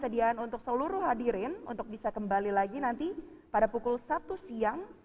kesediaan untuk seluruh hadirin untuk bisa kembali lagi nanti pada pukul satu siang